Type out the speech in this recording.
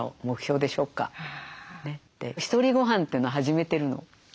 「ひとりごはん」というのを始めてるの。